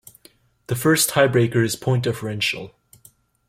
The first tiebreaker is point differential.